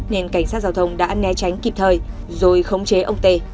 nên cảnh sát giao thông đã né tránh kịp thời rồi khống chế ông tê